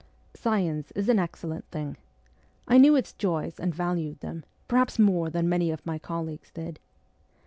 Science is an excellent thing. I knew its joys and valued them, perhaps more than many of my colleagues did.